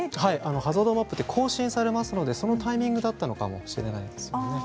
ハザードマップは更新されますので、そのタイミングだったのかもしれないですね。